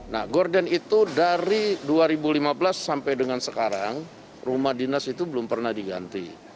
nah gorden itu dari dua ribu lima belas sampai dengan sekarang rumah dinas itu belum pernah diganti